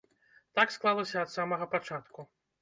Так склалася ад самага пачатку.